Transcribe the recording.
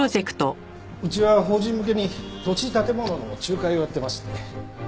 うちは法人向けに土地建物の仲介をやってましてね。